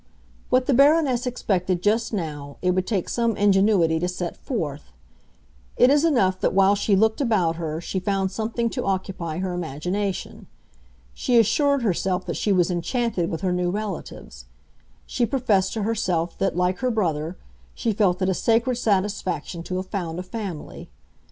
What the Baroness expected just now it would take some ingenuity to set forth; it is enough that while she looked about her she found something to occupy her imagination. She assured herself that she was enchanted with her new relatives; she professed to herself that, like her brother, she felt it a sacred satisfaction to have found a family.